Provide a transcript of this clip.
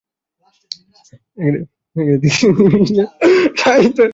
তিনি ছিলেন কবিতা রচনার সাথে সাহিত্য-সাংবাদিক ও অনুবাদক।